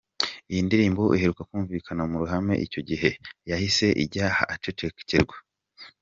Iyi ndirimbo iheruka kumvikana mu ruhame icyo gihe, yahise ijya ahacecekerwa.